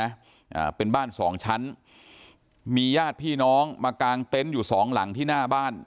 อ่าเป็นบ้านสองชั้นมีญาติพี่น้องมากางเต็นต์อยู่สองหลังที่หน้าบ้าน